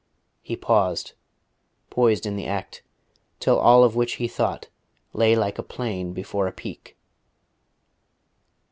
He paused, poised in the act, till all of which he thought lay like a plain before a peak.